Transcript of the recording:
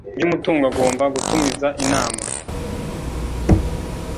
Ry umutungo agomba gutumiza inama